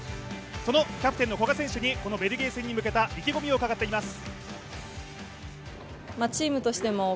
そのキャプテンの古賀選手にこのベルギー戦に向けた意気込みを語っています。